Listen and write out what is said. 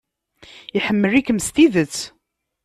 Iḥemmel-ikem s tidet.